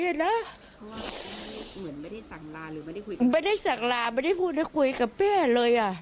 เพราะว่าไม่ได้สั่งลาไม่ได้คุยกับแม่เลย